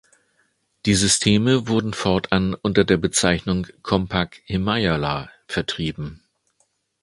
Die Systeme wurden fortan unter der Bezeichnung „Compaq Himalaya“ vertrieben.